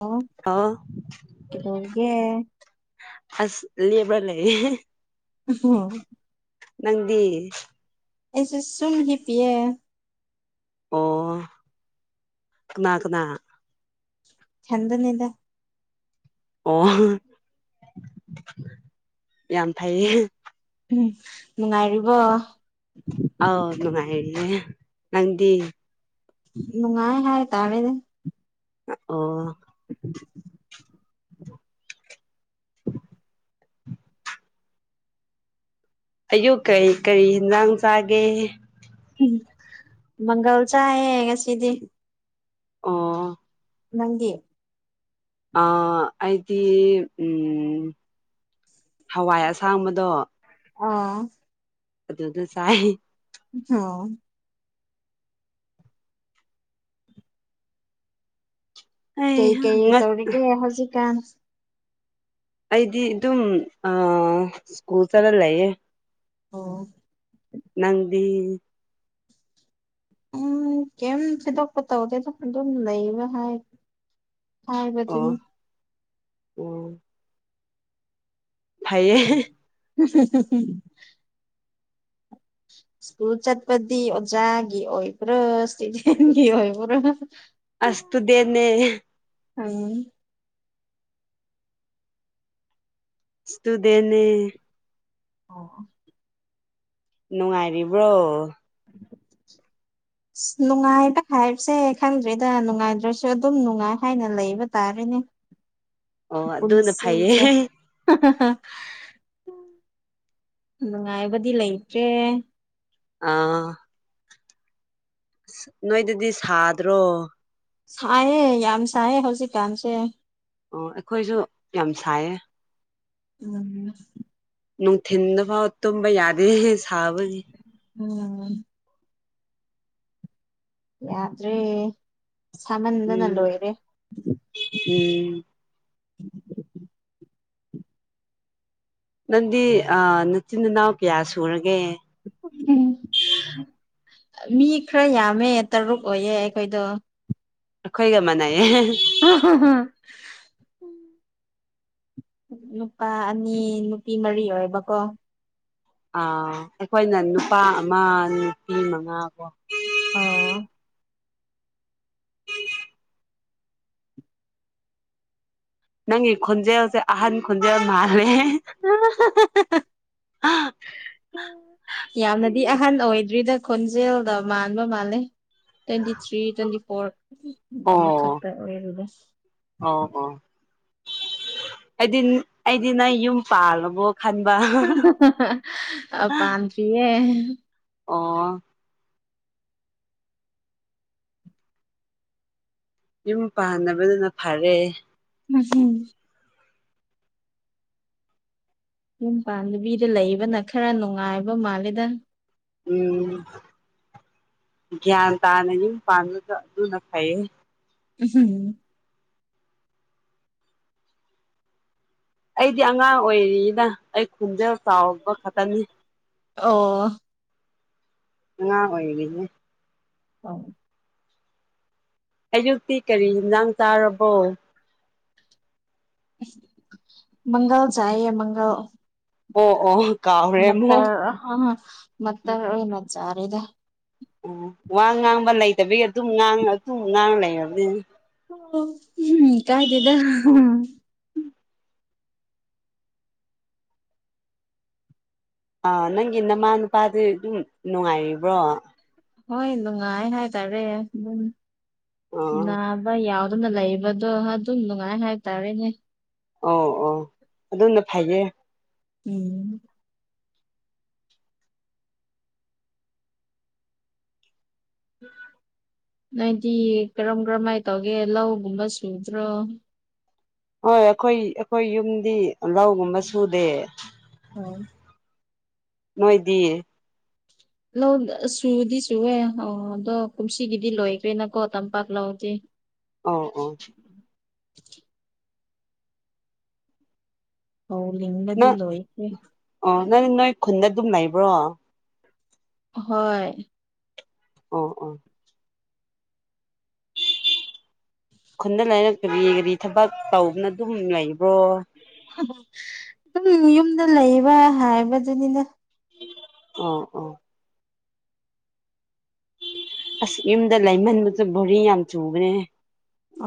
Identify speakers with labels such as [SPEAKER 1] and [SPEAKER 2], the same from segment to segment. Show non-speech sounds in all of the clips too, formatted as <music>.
[SPEAKER 1] ꯑꯣ
[SPEAKER 2] ꯑꯣꯥꯎ
[SPEAKER 1] ꯀꯩꯗꯧꯔꯤꯒꯦ
[SPEAKER 2] ꯑꯁ ꯕ꯭ꯔ ꯂꯩ
[SPEAKER 1] ꯍ
[SPEAKER 2] ꯅꯗꯤ
[SPEAKER 1] ꯑꯩꯁꯦ ꯁꯨꯝ ꯍꯤꯞ ꯄꯑ
[SPEAKER 2] ꯑꯣ ꯈꯨꯅꯥ ꯀꯅꯥ
[SPEAKER 1] ꯆꯗꯅꯤꯗ
[SPEAKER 2] ꯑꯣ ꯌꯥꯝ ꯊꯥꯏꯌꯦ
[SPEAKER 1] ꯎꯝ ꯅꯨꯡꯉꯥꯏꯔꯤꯕꯣ
[SPEAKER 2] ꯑꯥꯎ ꯅꯨꯡꯉꯥꯏꯔꯤꯦ ꯅꯪꯗꯤ
[SPEAKER 1] ꯅꯨꯡꯉꯥꯏ ꯍꯥꯏꯇꯥꯥꯔꯦꯅꯦ
[SPEAKER 2] ꯑꯣ ꯑꯌꯨꯛ ꯀꯩ ꯀꯔꯤ ꯍꯟꯁꯥꯡ ꯆꯥꯒꯦ
[SPEAKER 1] ꯃꯪꯒꯜ ꯆꯥꯏꯌꯦꯦ ꯉꯁꯤꯗꯤ
[SPEAKER 2] ꯑꯣ
[SPEAKER 1] ꯅꯪꯒꯤ
[SPEAKER 2] ꯑ ꯑꯩꯗꯤ ꯎ ꯍꯋꯥꯏ ꯑꯁꯥꯡꯕꯗꯣ
[SPEAKER 1] ꯑꯥ
[SPEAKER 2] ꯑꯗꯨꯗ ꯑꯗꯨ ꯁꯥꯏ
[SPEAKER 1] ꯍꯣ
[SPEAKER 2] ꯑꯩ
[SPEAKER 1] ꯀꯩ ꯀꯩ
[SPEAKER 2] ꯉ
[SPEAKER 1] ꯇꯧꯔꯤꯒꯦ ꯍꯧꯖꯤꯛꯀꯥꯟ
[SPEAKER 2] ꯑꯩꯗꯤ ꯑꯗꯨꯝ ꯁ꯭ꯀꯨꯜ ꯆꯔ ꯂꯩꯌꯦ
[SPEAKER 1] ꯑꯣ
[SPEAKER 2] ꯅꯗꯤ
[SPEAKER 1] ꯎꯝ ꯀꯩꯝ ꯊꯤꯗꯣꯛꯄ ꯇꯧꯗꯦꯗ ꯑꯗꯨꯝ ꯂꯩꯕ ꯍꯥꯏ ꯍꯕꯖꯅꯤ
[SPEAKER 2] ꯎꯝ ꯐꯌꯦ
[SPEAKER 1] ꯎ ꯍ ꯁ꯭ꯀꯨꯜ ꯆꯠꯄꯗꯤ ꯑꯣꯖꯥꯒꯤ ꯑꯣꯏꯕ꯭ꯔꯥ ꯁꯤꯗꯤꯟꯒꯤ ꯑꯣꯏꯕ꯭ꯔꯥ
[SPEAKER 2] ꯑꯁꯗꯦꯅꯦ
[SPEAKER 1] ꯑꯝ
[SPEAKER 2] ꯨꯗꯦꯅꯦ
[SPEAKER 1] ꯑꯣ
[SPEAKER 2] ꯅꯨꯡꯉꯥꯏꯔꯤꯕ꯭ꯔꯣ
[SPEAKER 1] <inaudible> ꯑꯁ ꯅꯨꯡꯉꯥꯏꯕ ꯍꯥꯏꯕꯁꯦ ꯈꯪꯗ꯭ꯔꯤꯗ ꯅꯨꯡꯉꯥꯏꯗ꯭ꯔꯁꯨ ꯑꯗꯨꯝ ꯅꯨꯡꯉꯥꯏ ꯍꯥꯏꯅ ꯂꯩꯕ ꯇꯥꯔꯦꯅꯦ
[SPEAKER 2] ꯑꯣ ꯑꯗꯨꯅ
[SPEAKER 1] ꯄꯨꯟꯁꯤꯁꯦ
[SPEAKER 2] ꯐꯩꯌꯦ
[SPEAKER 1] ꯅꯨꯡꯉꯥꯏꯕꯗꯤ ꯂꯩꯇ꯭ꯔꯦ
[SPEAKER 2] ꯑꯥ ꯑꯁ ꯅꯣꯏꯗꯗꯤ ꯁꯥꯗ꯭ꯔꯣ
[SPEAKER 1] ꯁꯥꯏꯌꯦ ꯌꯥꯝ ꯁꯥꯏꯌꯦ ꯍꯧꯖꯤꯛꯀꯥꯟꯁꯦ
[SPEAKER 2] ꯑꯣ ꯑꯩꯈꯣꯏꯁꯨ ꯌꯥꯝ ꯁꯥꯏꯌꯦ
[SPEAKER 1] ꯎꯝ
[SPEAKER 2] ꯅꯅꯨꯡ ꯊꯤꯟ ꯐꯥꯎ ꯇꯝꯕ ꯌꯥꯗꯦ ꯁꯕꯒꯤ
[SPEAKER 1] ꯎꯝ ꯌꯥꯗ꯭ꯔꯦ ꯁꯥꯃꯟꯗꯅ
[SPEAKER 2] ꯎꯝ
[SPEAKER 1] ꯂꯣꯏꯔꯦ
[SPEAKER 2] ꯎꯝ ꯅꯪꯗꯤ ꯑ ꯅꯆꯤꯟꯅꯥꯎ ꯀꯌꯥ ꯁꯨꯔꯒꯦ
[SPEAKER 1] ꯃꯤ ꯈꯔ ꯌꯥꯝꯃꯦ ꯇꯔꯨꯛ ꯑꯣꯏꯌꯦ ꯑꯩꯈꯣꯏꯗꯣ
[SPEAKER 2] ꯑꯩꯈꯣꯏꯒꯃꯅꯥ
[SPEAKER 1] ꯑ ꯅꯨꯄꯥ ꯑꯅꯤ ꯅꯨꯄꯤ ꯃꯔꯤ ꯑꯣꯏꯕꯀꯣ
[SPEAKER 2] ꯑꯥ ꯑꯩꯈꯣꯏꯅ ꯅꯨꯄꯥ ꯑꯃ ꯅꯨꯄꯤ ꯃꯉꯥ ꯀꯣ
[SPEAKER 1] ꯑꯥ
[SPEAKER 2] ꯅꯪꯒꯤ ꯈꯣꯟꯖꯦꯜꯁꯦ ꯑꯍꯟ ꯈꯣꯟꯖꯦꯜ ꯃꯥꯜꯂꯦ
[SPEAKER 1] ꯌꯥꯝꯅꯗꯤ ꯑꯍꯟ ꯑꯣꯏꯗ꯭ꯔꯤꯗ ꯈꯣꯟꯖꯦꯜꯗ ꯃꯥꯟꯕ ꯃꯥꯜꯂꯦ ꯇ꯭ꯋꯦꯟꯇꯤ ꯊ꯭ꯔꯤ ꯇ꯭ꯋꯦꯟꯇꯤ ꯐꯣꯔꯒꯨꯝꯕ
[SPEAKER 2] ꯑꯣ
[SPEAKER 1] ꯈꯛꯇ ꯑꯣꯏꯔꯒ
[SPEAKER 2] ꯑꯣ ꯑꯣ ꯑꯩꯗꯤ ꯑꯩꯗꯤ ꯅꯪ ꯌꯨꯝ ꯄꯥꯜꯂꯕꯣ ꯈꯟꯕ
[SPEAKER 1] ꯑ ꯄꯥꯟ ꯄꯤꯌꯦ
[SPEAKER 2] ꯑꯣ ꯌꯨꯝ ꯄꯥꯟꯅꯕꯗꯨꯅ ꯐꯔꯦ
[SPEAKER 1] ꯎꯝ ꯌꯨꯝ ꯄꯥꯟꯗꯕꯤꯗ ꯂꯩꯕꯅ ꯈꯔ ꯅꯨꯡꯉꯥꯏꯕ ꯃꯥꯜꯂꯦꯗ
[SPEAKER 2] ꯎꯝ ꯒ꯭ꯌꯥꯟ ꯇꯥꯅ ꯌꯨꯝ ꯄꯥꯟꯕ ꯑꯗꯨꯅ ꯐꯩꯌꯦ
[SPEAKER 1] ꯍꯝ
[SPEAKER 2] ꯑꯩꯗꯤ ꯑꯉꯥꯡ ꯑꯣꯏꯔꯤꯅ ꯑꯩ ꯈꯣꯟꯖꯦꯜ ꯆꯥꯎꯕ ꯈꯛꯇꯅꯤ
[SPEAKER 1] ꯑꯣ
[SPEAKER 2] ꯑ ꯑꯣꯏꯒꯦ
[SPEAKER 1] ꯑ
[SPEAKER 2] ꯑꯌꯨꯛꯇꯤ ꯀꯔꯤ ꯌꯦꯟꯁꯥꯡ ꯆꯥꯔꯕꯣ
[SPEAKER 1] ꯃꯪꯒꯜ ꯆꯏꯌꯦ ꯃꯪꯒꯜ
[SPEAKER 2] ꯑꯣ ꯑꯣ ꯀꯥꯎꯔꯦ ꯑꯃꯨꯛ
[SPEAKER 1] ꯃꯠꯇꯔ ꯃꯠꯇꯔ ꯑꯣꯏꯅ ꯆꯥꯔꯦꯗ
[SPEAKER 2] ꯎ ꯋꯥ ꯉꯥꯡꯕ ꯂꯩꯇꯕꯤꯒꯤ ꯑꯗꯨꯝ ꯉꯥꯡꯉ ꯑꯗꯨꯝ ꯉꯥꯡꯉ ꯂꯩꯔꯕꯅꯤꯅ
[SPEAKER 1] ꯑꯣ ꯎꯝ ꯀꯥꯏꯗꯦꯗ
[SPEAKER 2] ꯑꯥ ꯅꯪꯒꯤ ꯅꯃꯥ ꯅꯄꯥꯗꯤ ꯑꯗꯨꯝ ꯅꯨꯡꯉꯥꯏꯔꯤꯕ꯭ꯔꯣ
[SPEAKER 1] ꯍꯣꯏ ꯅꯨꯡꯉꯥꯏ ꯍꯥꯏꯇꯥꯔꯦ ꯑꯗꯨꯝ
[SPEAKER 2] ꯑꯣ
[SPEAKER 1] ꯅꯥꯕ ꯌꯥꯎꯋ ꯑꯗꯨꯅ ꯂꯩꯕꯗꯣ ꯑꯗꯨꯝ ꯅꯨꯡꯉꯥꯏ ꯍꯥꯏꯇꯥꯔꯦꯅꯦ
[SPEAKER 2] ꯑꯣ ꯑꯣ ꯑꯗꯨꯝꯅ ꯐꯩꯌꯦ
[SPEAKER 1] ꯎꯝ ꯎ ꯅꯣꯏꯗꯤ ꯀꯔꯝ ꯀꯔꯝꯍꯥꯏꯅ ꯇꯧꯒꯦ ꯂꯧꯒꯨꯝꯕ ꯁꯨꯗ꯭ꯔꯣ
[SPEAKER 2] ꯍꯣꯏ ꯑꯩꯈꯣꯏ ꯑꯩꯈꯣꯏ ꯌꯨꯝꯗꯤ ꯂꯧꯒꯨꯝꯕ ꯁꯨꯗꯦ
[SPEAKER 1] ꯑꯥꯎ
[SPEAKER 2] ꯅꯣꯏꯗꯤꯌꯦ
[SPEAKER 1] ꯁꯨꯗꯤ ꯁꯨꯋꯦ ꯑꯣ ꯑꯗꯣ ꯀꯨꯝꯁꯤꯒꯤꯗꯤ ꯂꯣꯏꯈ꯭ꯔꯦꯅꯀꯣ ꯇꯝꯄꯥꯛ ꯂꯧꯗꯤ
[SPEAKER 2] ꯑ ꯑꯣ
[SPEAKER 1] <inaudible> ꯍꯧ ꯂ
[SPEAKER 2] ꯅꯪ
[SPEAKER 1] ꯂꯤꯗꯤꯂꯣ ꯑꯩꯦ
[SPEAKER 2] ꯑꯣ ꯅꯪ ꯅꯣꯏ ꯈꯨꯟꯗ ꯑꯗꯨꯝ ꯂꯩꯕ꯭ꯔꯣ
[SPEAKER 1] ꯍꯣꯏ
[SPEAKER 2] ꯑꯣ ꯑꯣ
[SPEAKER 1] <inaudible>
[SPEAKER 2] ꯈꯨꯟꯗ ꯂꯩꯔꯛꯇꯕꯤꯒꯗꯤ ꯊꯕꯛ ꯇꯧꯕꯅ ꯑꯗꯨꯝ ꯂꯩꯕ꯭ꯔꯣ
[SPEAKER 1] ꯑꯗꯨꯝ ꯌꯨꯝꯗ ꯂꯩꯕ ꯍꯥꯏꯕꯗꯨꯅꯤꯅ
[SPEAKER 2] ꯑꯣ ꯑꯣ ꯑꯁ ꯌꯨꯝꯗ ꯂꯩꯃꯟꯕꯗ ꯕꯣꯔꯤ ꯌꯥꯝ ꯆꯨꯈ꯭ꯔꯦ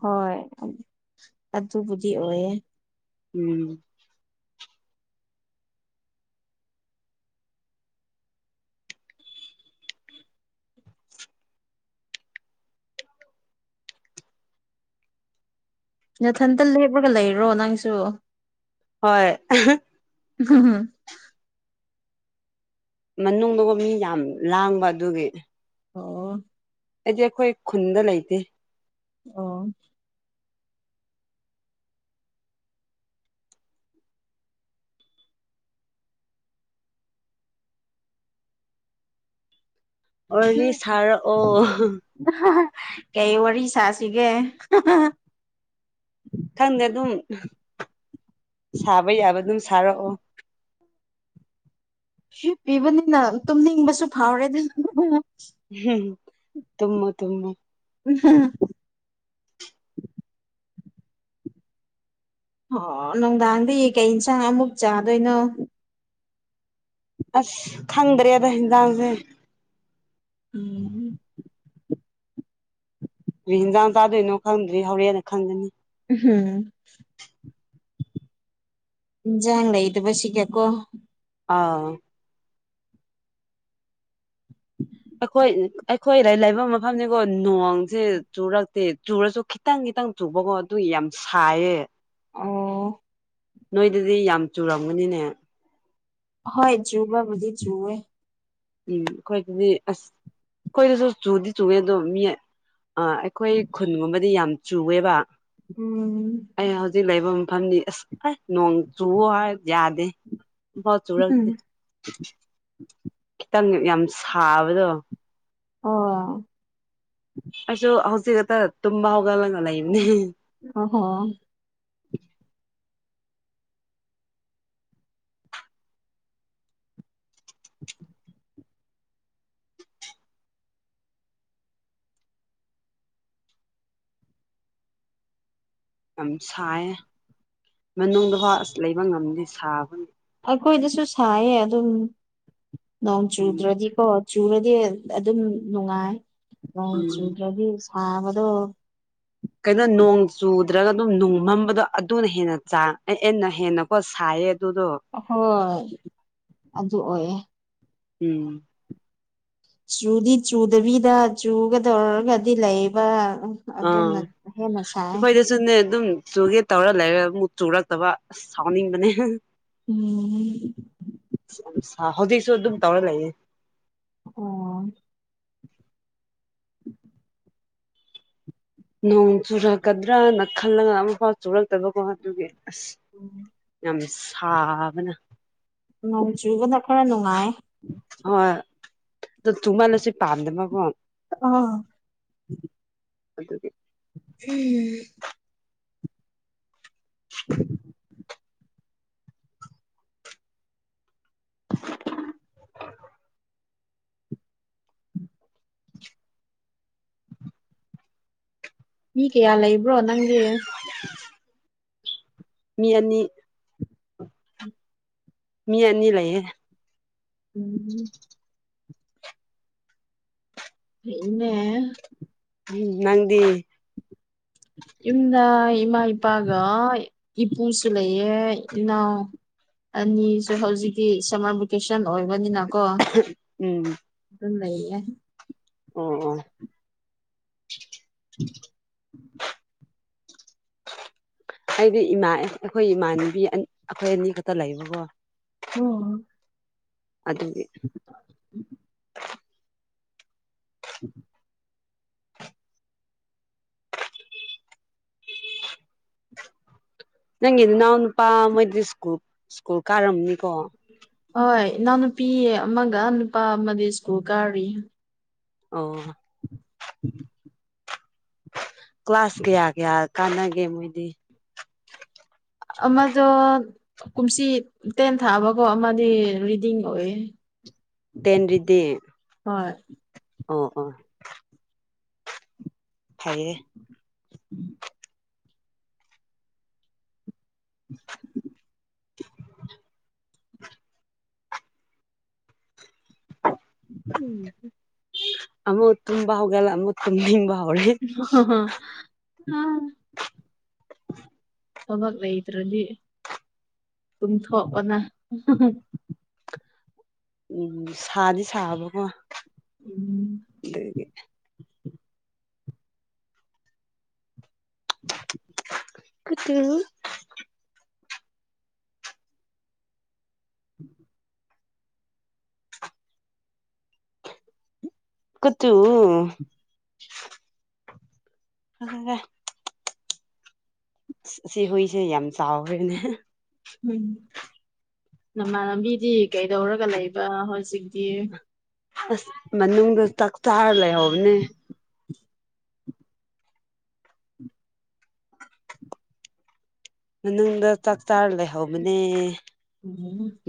[SPEAKER 1] ꯍꯣꯏ ꯑꯗꯨꯕꯨꯗꯤ ꯑꯣꯏꯌꯦꯦ
[SPEAKER 2] ꯎꯝ
[SPEAKER 1] ꯌꯥꯊꯟꯇ ꯂꯦꯞꯄꯒ ꯂꯩꯔꯣ ꯅꯪꯁꯨ
[SPEAKER 2] ꯍꯣꯏ
[SPEAKER 1] ꯍꯝꯝ
[SPEAKER 2] ꯃꯅꯨꯡꯗꯕꯨ ꯃꯤ ꯌꯥꯝ ꯂꯥꯡꯕ ꯑꯗꯨꯒꯤ
[SPEAKER 1] ꯑꯣ
[SPEAKER 2] ꯑꯩꯗꯤ ꯑꯩꯈꯣꯏ ꯈꯨꯟꯗ ꯂꯩꯇꯦ
[SPEAKER 1] ꯑ
[SPEAKER 2] ꯋꯥꯔꯤ
[SPEAKER 1] ꯎꯝ
[SPEAKER 2] ꯁꯥꯔꯛꯑꯣ
[SPEAKER 1] ꯀꯩ ꯋꯥꯔꯤ ꯋꯥꯔꯤ ꯁꯥꯁꯤꯒꯦ
[SPEAKER 2] ꯈꯪꯗꯦ ꯑꯗꯨꯝ ꯁꯥꯕ ꯌꯥꯕ ꯑꯗꯨꯝ ꯁꯥꯔꯛꯑꯣ
[SPEAKER 1] ꯁ ꯄꯤꯕꯅꯤꯅ ꯇꯨꯝꯅꯤꯡꯕꯁꯨ ꯐꯥꯎꯔꯦꯗ
[SPEAKER 2] ꯎꯝ ꯊꯃ ꯊꯨꯝꯃ
[SPEAKER 1] <unintelligible> <unintelligible> ꯑꯣ ꯅꯨꯡꯗꯥꯡꯗꯤ ꯀꯩ ꯌꯦꯟꯁꯥꯡ ꯑꯃꯨꯛ ꯆꯥꯗꯣꯏꯅꯣ
[SPEAKER 2] ꯑꯁ ꯈꯪꯗ꯭ꯔꯦꯗ ꯍꯟꯖꯥꯡꯁꯦ
[SPEAKER 1] ꯎꯝꯝ
[SPEAKER 2] ꯍꯟꯖꯥꯡ ꯆꯥꯗꯣꯏꯅꯣ ꯈꯪꯗ꯭ꯔꯤ ꯍꯧꯣꯔꯦꯟꯅ ꯈꯪꯒꯅꯤ
[SPEAKER 1] ꯍꯝ ꯌꯥꯥꯡ ꯂꯩꯇ ꯄ ꯀꯦꯀꯣ
[SPEAKER 2] ꯑꯥ ꯑꯩꯈꯣꯏ ꯑꯩꯈꯣꯏꯗ ꯂꯩꯕ ꯃꯐꯝꯅꯤꯀꯣ ꯅꯣꯡꯁꯦ ꯆꯨꯔꯛꯇꯦ ꯆꯨꯔꯁꯨ ꯈꯤꯇꯪ ꯈꯤꯇꯪ ꯆꯨꯕꯒꯣ ꯑꯗꯨ ꯌꯥꯝ ꯁꯥꯏꯌꯦ
[SPEAKER 1] ꯑꯣ
[SPEAKER 2] ꯅꯣꯏꯗꯗꯤ ꯌꯥꯝ ꯆꯨꯔꯝꯒꯅꯤꯅꯦ
[SPEAKER 1] ꯍꯣꯏ ꯨꯕꯕꯨꯤ ꯨꯋ
[SPEAKER 2] ꯎꯝ ꯑꯩꯈꯣꯏꯗꯗꯤ ꯑꯁ ꯑꯩꯈꯣꯏꯗꯁꯨ ꯆꯨꯗꯤ ꯆꯨꯉꯦ ꯑꯗꯣ ꯃꯤ ꯑꯩꯈꯣꯏ ꯈꯨꯟꯒꯨꯝꯕꯗꯤ ꯌꯥꯝ ꯆꯨꯑꯦꯕ
[SPEAKER 1] ꯎꯝ
[SPEAKER 2] ꯐ ꯑꯁ ꯑꯁ ꯅꯣꯡ ꯆꯨꯣ ꯍꯥꯏ ꯌꯥꯗꯦ ꯣ ꯆꯨꯔꯛꯇꯦ ꯈꯤꯇꯪ ꯌꯥꯝ ꯁꯥꯕꯗꯣ
[SPEAKER 1] ꯑꯣ
[SPEAKER 2] ꯑꯁꯣ ꯍꯧꯁꯤꯒꯇꯥ ꯇꯨꯝꯕ ꯍꯧꯒꯂꯅꯂ ꯏꯅꯤ
[SPEAKER 1] ꯑꯣꯍꯣ
[SPEAKER 2] ꯌꯥꯝ ꯁꯥꯏꯌꯦ ꯃꯅꯨꯡꯗ ꯍ ꯑꯁ ꯂꯩꯕ ꯉꯝꯗꯦ ꯁꯥꯕꯅꯤ
[SPEAKER 1] ꯑꯩꯈꯣꯏꯗꯁꯨ ꯁꯥꯏꯌꯦ ꯑꯗꯨꯝ ꯅꯣꯡ
[SPEAKER 2] ꯎꯝ
[SPEAKER 1] ꯆꯨꯗ꯭ꯔꯗꯤꯀꯣ ꯆꯨꯔꯗꯤ ꯑꯗꯨꯝ ꯅꯨꯡꯉꯥꯏ ꯅ
[SPEAKER 2] ꯎꯝ
[SPEAKER 1] ꯆꯨꯗ꯭ꯔꯗꯤ ꯍꯥꯥ ꯃꯗꯨꯣ
[SPEAKER 2] ꯀꯩꯅꯣ ꯅꯣꯡ ꯆꯨꯗ꯭ꯔꯒ ꯑꯗꯨꯝ ꯅꯣꯡ ꯃꯝꯕꯗꯣ ꯑꯗꯨꯅ ꯍꯦꯟꯅ ꯆꯥꯡ ꯑꯦ ꯑꯟꯅ ꯍꯦꯟꯅꯀꯣ ꯁꯥꯏꯌꯦ ꯑꯗꯨꯗꯣ
[SPEAKER 1] ꯍꯣꯏ ꯑꯗꯨ ꯑꯣꯏꯌꯦ
[SPEAKER 2] ꯎꯝ
[SPEAKER 1] ꯆꯨꯗꯤ ꯆꯨꯗꯕꯤꯗ ꯆꯨꯒꯗꯧꯔꯒꯗꯤ ꯂꯩꯕ
[SPEAKER 2] ꯑꯥ
[SPEAKER 1] ꯑꯗꯨꯅ ꯍꯦꯟꯅ ꯁꯥꯏ
[SPEAKER 2] ꯑꯩꯈꯣꯏꯗꯁꯨꯅꯦ ꯑꯗꯨꯝ ꯆꯨꯒꯦ ꯇꯧꯔ ꯂꯩꯔꯦ ꯑꯃꯨꯛ ꯆꯨꯔꯛꯇꯕ ꯑꯁ ꯁꯥꯎꯅꯤꯡꯕꯅꯦ
[SPEAKER 1] ꯎꯝ
[SPEAKER 2] ꯁꯥ ꯍꯧꯖꯤꯛꯁꯨ ꯑꯗꯨꯝ ꯇꯧꯔ ꯂꯩꯌꯦ
[SPEAKER 1] ꯑꯣ
[SPEAKER 2] ꯅꯣꯡ ꯆꯨꯔꯛꯀꯗ꯭ꯔꯅ ꯈꯜꯂꯒ ꯑꯃꯨꯛꯐꯥꯎ ꯆꯨꯔꯛꯇꯕꯀꯣ ꯑꯗꯨꯒꯤ ꯑꯁ ꯌꯥꯝ ꯁꯥꯕꯅ
[SPEAKER 1] ꯅꯣꯡ ꯆꯨꯕꯅ ꯈꯔ ꯅꯨꯡꯉꯥꯏ
[SPEAKER 2] ꯍꯣꯏ ꯑꯗ ꯇꯨꯃꯜꯂꯁꯨ ꯄꯥꯝꯗꯕꯀꯣ
[SPEAKER 1] ꯑꯥ
[SPEAKER 2] ꯑꯗꯨꯗꯤ
[SPEAKER 1] ꯐꯤ <inaudible>
[SPEAKER 2] <inaudible>
[SPEAKER 1] ꯃꯤ ꯀꯌꯥ ꯂꯩꯕ꯭ꯔꯣ ꯅꯪꯒꯤ
[SPEAKER 2] ꯃꯤ ꯑꯅꯤ ꯃꯤ ꯑꯅꯤ ꯂꯩꯌꯦ
[SPEAKER 1] ꯎꯝ ꯏꯟꯅ
[SPEAKER 2] ꯎꯝ ꯅꯪꯗꯤ
[SPEAKER 1] ꯏꯝꯗ ꯏꯃ ꯏꯄꯥꯒ ꯏꯄꯨꯁꯨ ꯂꯩꯌꯦ ꯏꯅꯥꯎ ꯑꯅꯤꯁꯨ ꯍꯧꯖꯤꯛꯀꯤ ꯁꯝꯃꯔ ꯚꯦꯀꯦꯁꯟ ꯇꯟ ꯑꯣꯏꯕꯅꯤꯅꯀꯣ
[SPEAKER 2] ꯎꯝ
[SPEAKER 1] ꯑꯗꯨꯝ ꯂꯩꯌꯦ
[SPEAKER 2] ꯑꯣ ꯑꯣ
[SPEAKER 1] ꯎ
[SPEAKER 2] ꯑꯩꯗꯤ ꯏꯃꯥ ꯑꯩꯈꯣꯏ ꯏꯃꯥꯟꯅꯕꯤ ꯑꯩꯈꯣꯏ ꯑꯅꯤ ꯈꯛꯇ ꯂꯩꯕꯀꯣ
[SPEAKER 1] ꯎꯝ
[SPEAKER 2] ꯑꯗꯨꯗꯤ
[SPEAKER 1] ꯎꯝ
[SPEAKER 2] ꯅꯪꯒꯤ ꯏꯅꯥꯎ ꯅꯨꯄꯥ ꯃꯣꯏꯗꯤ ꯁꯀꯨꯜ ꯁ꯭ꯀꯨꯜ ꯀꯥꯔꯝꯅꯤꯀꯣ
[SPEAKER 1] ꯍꯣꯏ ꯏꯅꯥꯎ ꯅꯨꯨꯄꯤ ꯑꯃꯒ ꯅꯨꯄꯥ ꯑꯃꯗꯤ ꯁ꯭ꯀꯨꯜ ꯀꯥꯔꯤ
[SPEAKER 2] ꯑꯣ
[SPEAKER 1] ꯎꯝ
[SPEAKER 2] ꯀ꯭ꯂꯥꯁ ꯀꯌꯥ ꯀꯌꯥ ꯀꯥꯟꯅꯒꯦ ꯃꯣꯏꯗꯤ
[SPEAKER 1] ꯑꯃꯗꯣ ꯀꯨꯝꯁꯤ ꯇꯦꯟ ꯊꯥꯕꯀꯣ ꯑꯃꯗꯤ ꯔꯤꯗꯤꯡ ꯑꯣꯏꯌꯦ ꯎ
[SPEAKER 2] ꯇꯦꯟꯔꯤꯗ
[SPEAKER 1] ꯍꯣꯏ
[SPEAKER 2] ꯑꯣ ꯑꯣ ꯐꯥꯏꯌꯦ
[SPEAKER 1] ꯎꯝ <inaudible>
[SPEAKER 2] ꯑꯃꯃ ꯇꯕꯥ ꯍꯧꯒꯦꯂ ꯑꯃ ꯇꯝꯕ
[SPEAKER 1] ꯑ ꯍ
[SPEAKER 2] <inaudible>
[SPEAKER 1] ꯊꯕꯛ ꯂꯩꯇ꯭ꯔꯗꯤ ꯇꯨꯡꯊꯣꯛꯄꯅ
[SPEAKER 2] ꯎꯝ ꯁꯥꯗꯤ ꯁꯥꯕꯀꯣ
[SPEAKER 1] ꯎꯝ
[SPEAKER 2] ꯑꯗꯒꯤ ꯀꯇ
[SPEAKER 1] ꯎꯝ
[SPEAKER 2] ꯀꯠꯇꯨ ꯍ ꯁꯤ ꯍꯣꯏꯁꯦ ꯌꯥꯝ ꯆꯥꯎꯥꯎꯋꯅꯦ
[SPEAKER 1] ꯎꯝ ꯅꯃꯥꯟ ꯂꯝꯕꯤꯗꯤ ꯀꯩꯗꯧꯔꯒ ꯂꯩꯕ ꯍꯧꯖꯤꯛꯇꯤ
[SPEAKER 2] ꯑꯁ ꯃꯅꯨꯒ ꯇꯈ ꯆꯥꯔ ꯂꯩ ꯑꯣꯕꯅꯦ ꯃꯅꯨꯡꯗ ꯆꯥꯛ ꯆꯥꯔ ꯂꯩꯍꯧꯕꯅꯦ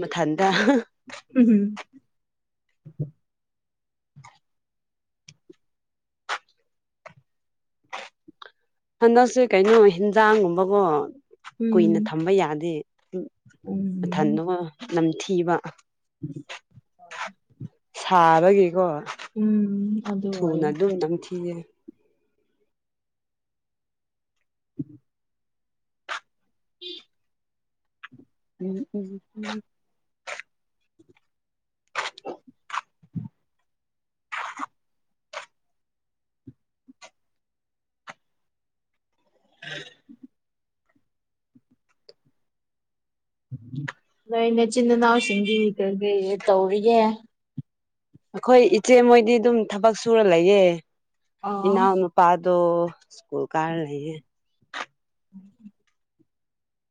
[SPEAKER 2] ꯃꯊꯟꯇ <inaudible> ꯍꯟꯗꯛꯁꯦ ꯀꯩꯅꯣ ꯍꯦꯟꯖꯥꯡꯒꯨꯝꯕꯀꯣ ꯀꯨꯏꯅ
[SPEAKER 1] ꯎꯝ
[SPEAKER 2] ꯊꯝꯕ ꯌꯥꯗꯦ ꯃꯊꯟꯗꯣ ꯅꯝꯊꯤꯕ
[SPEAKER 1] ꯎ
[SPEAKER 2] ꯁꯥꯕꯒꯤꯀꯣ
[SPEAKER 1] ꯑꯗꯨ
[SPEAKER 2] ꯊꯨꯅ
[SPEAKER 1] ꯑꯣꯏꯌꯦ
[SPEAKER 2] ꯑꯗꯨꯝ ꯅꯝꯊꯤꯌꯦ
[SPEAKER 1] ꯎꯝ
[SPEAKER 2] ꯎꯝ ꯎꯝ ꯎꯝ ꯍ
[SPEAKER 1] ꯅꯣꯏꯅꯦꯆꯤꯟ ꯏꯅꯥꯎꯁꯤꯡꯗꯤ ꯀꯩ ꯀꯔꯤ ꯇꯧꯔꯤꯒꯦ
[SPEAKER 2] ꯑꯩꯈꯣꯏ ꯏꯆꯦ ꯃꯣꯏꯗꯤ ꯑꯗꯨꯝ ꯊꯕꯛ ꯁꯨꯔ ꯂꯩꯌꯦꯦ
[SPEAKER 1] ꯑꯣ
[SPEAKER 2] ꯏꯅꯥꯎꯅꯨꯄꯥ ꯗ ꯁ꯭ꯀꯨꯜ ꯀꯥꯌꯦ
[SPEAKER 1] ꯎꯝ